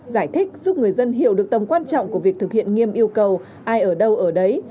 giải thích giúp người dân hiểu được tầm quan trọng của việc thực hiện nghiêm yêu cầu ai ở đâu ở đấy